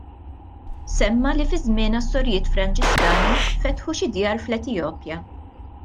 Semma li fi żmienha s-sorijiet Franġiskani fetħu xi djar fl-Etjopja.